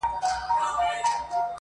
هی توبه چي ورور له ورور څخه پردی سي.!